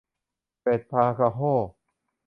เกล็ดปลากระโห้